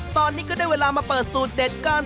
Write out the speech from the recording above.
ตอนนี้ก็ได้เวลามาเปิดสูตรเด็ดกัน